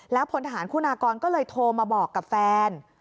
พลทหารคุณากรก็เลยโทรมาบอกกับแฟน